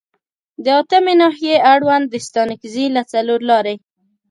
د اتمې ناحیې اړوند د ستانکزي له څلورلارې